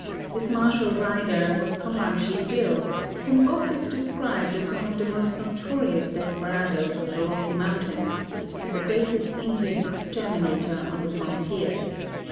This martial rider was Comanche Bill, whom gossip described as one of the most notorious desperadoes of the Rocky Mountains, and the greatest Indian "exterminator" on the frontier.